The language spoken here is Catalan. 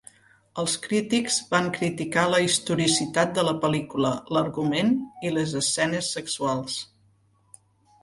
Els crítics van criticar la historicitat de la pel·lícula, l'argument i les escenes sexuals.